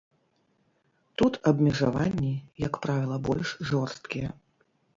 Тут абмежаванні, як правіла, больш жорсткія.